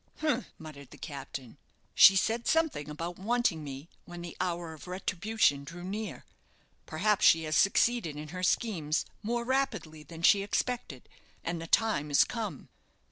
"Humph!" muttered the captain; "she said something about wanting me when the hour of retribution drew near. Perhaps she has succeeded in her schemes more rapidly than she expected, and the time is come."